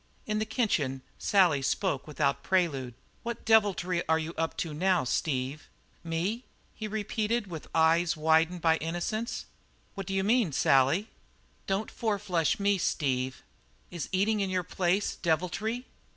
In the kitchen Sally spoke without prelude. "What deviltry are you up to now, Steve?" "Me?" he repeated with eyes widened by innocence. "What d'you mean, Sally?" "Don't four flush me, Steve." "Is eating in your place deviltry?"